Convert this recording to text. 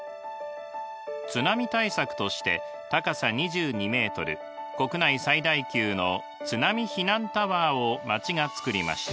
津波対策として高さ２２ｍ国内最大級の津波避難タワーを町がつくりました。